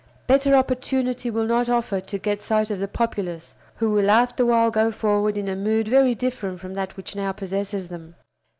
Better opportunity will not offer to get sight of the populace who will afterwhile go forward in a mood very different from that which now possesses them.